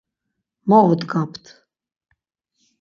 Mo odgapt!